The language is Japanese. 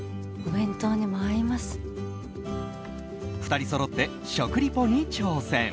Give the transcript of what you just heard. ２人そろって食リポに挑戦。